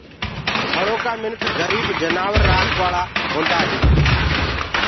ٿݪو ڪآ منک گريب جآنور رآکوآݪآ هوندآئين